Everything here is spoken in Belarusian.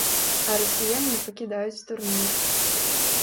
А расіяне пакідаюць турнір.